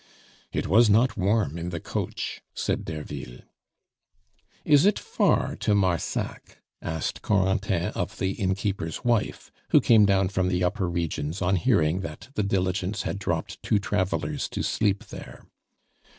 "It was not warm in the coach," said Derville. "Is it far to Marsac?" asked Corentin of the innkeeper's wife, who came down from the upper regions on hearing that the diligence had dropped two travelers to sleep there.